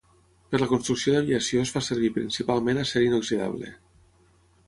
Per la construcció d'aviació es fa servir principalment acer inoxidable.